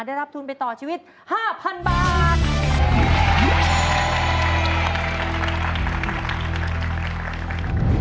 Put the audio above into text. ได้รับทุนไปต่อชีวิต๕๐๐๐บาท